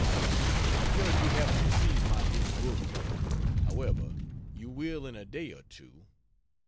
I judge you haven't received my new book yet however, you will in a day or two.